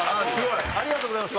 ありがとうございます。